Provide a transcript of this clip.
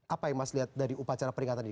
apa yang mas lihat dari upacara peringatan ini